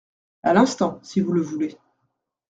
À l’instant, si vous le voulez.